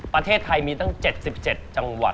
ประเทศไทยมีตั้ง๗๗จังหวัด